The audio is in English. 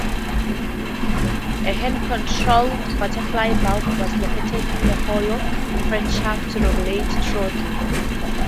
A hand-controlled butterfly valve was located in the hollow crankshaft to regulate throttle.